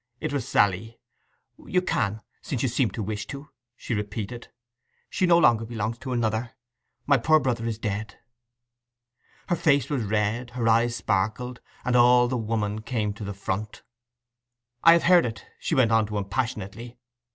It was Sally. 'You can, since you seem to wish to?' she repeated. 'She no longer belongs to another ... My poor brother is dead!' Her face was red, her eyes sparkled, and all the woman came to the front. 'I have heard it!' she went on to him passionately.